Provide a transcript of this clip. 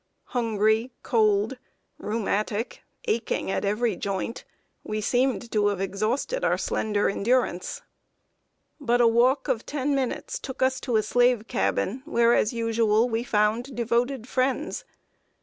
Hungry, cold, rheumatic, aching at every joint, we seemed to have exhausted our slender endurance. [Sidenote: A CABIN OF FRIENDLY NEGROES.] But a walk of ten minutes took us to a slave cabin, where, as usual, we found devoted friends.